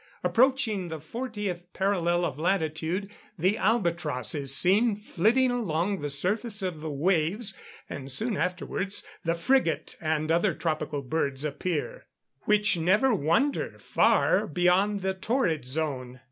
Approaching the fortieth parallel of latitude, the albatross is seen flitting along the surface of the waves, and soon afterwards the frigate and other tropical birds appear, which never wander far beyond the torrid zone.